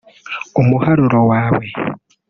umuharuro wawe